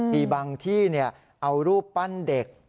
มีบางที่เอารูปปั้นเด็ก